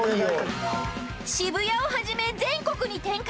［渋谷をはじめ全国に展開中］